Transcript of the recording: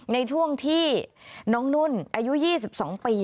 ในช่วงที่น้องนุ่นอายุ๒๒ปี